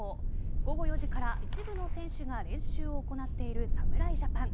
午後４時から一部の選手が練習を行っている侍ジャパン。